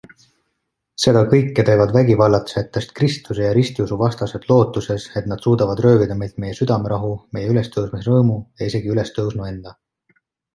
Seda kõike teevad vägivallatsejatest Kristuse ja ristiusu vastased lootuses, et nad suudavad röövida meilt meie südamerahu, meie ülestõusmisrõõmu ja isegi Ülestõusnu enda.